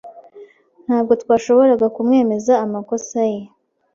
Ntabwo twashoboraga kumwemeza amakosa ye.